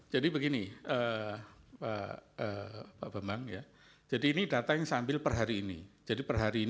jadi begini pak bambang jadi ini data yang saya ambil per hari ini